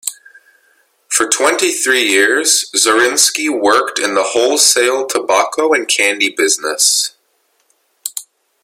For twenty-three years, Zorinsky worked in the wholesale tobacco and candy business.